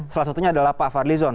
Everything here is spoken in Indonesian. salah satunya adalah pak fadlizon